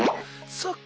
そっか。